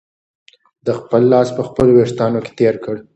ده خپل لاس په خپلو وېښتانو کې تېر کړ.